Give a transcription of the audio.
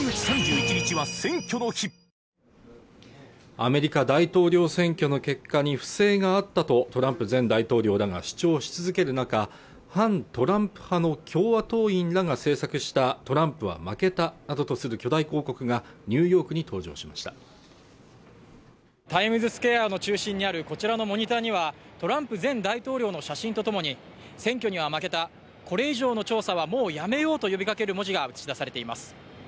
アメリカ大統領選挙の結果に不正があったとトランプ前大統領らが主張し続ける中反トランプ派の共和党員らが制作したトランプは負けたあととする巨大広告がニューヨークに登場しましたタイムズスクエアの中心にあるこちらのモニターにはトランプ前大統領の写真とともに選挙には負けたこれ以上の調査はもうやめようと呼びかける文字が映し出されています